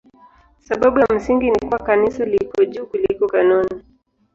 Sababu ya msingi ni kuwa Kanisa liko juu kuliko kanuni.